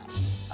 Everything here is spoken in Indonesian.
pasti ya nella